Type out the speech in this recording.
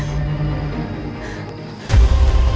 sampai jumpa lagi